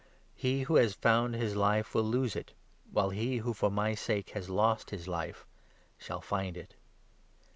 He who has found his life will lose it, while he who, for my sake, has lost his life shall find it.